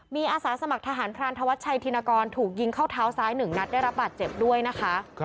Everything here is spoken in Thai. มีอาสาสมัครทหารพรานธวัชชัยธินกรถูกยิงเข้าเท้าซ้าย๑นัดได้รับบาดเจ็บด้วยนะคะ